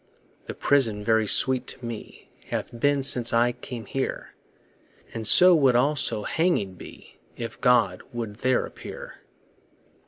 The prison very sweet to me Hath been since I came here, And so would also hanging be, If God would there appear.